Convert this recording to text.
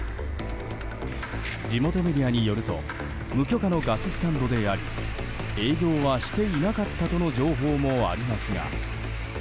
地元メディアによると無許可のガススタンドであり営業はしていなかったとの情報もありますが。